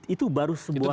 itu baru sebuah